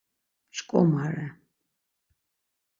Pşǩomare.